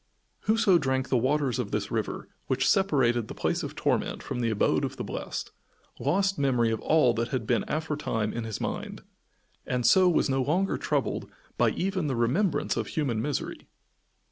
Whoso drank the waters of this river, which separated the place of torment from the abode of the blest, lost memory of all that had been aforetime in his mind, and so was no longer troubled by even the remembrance of human misery.